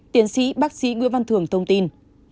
tiến sĩ bác sĩ nguyễn văn thường thông tin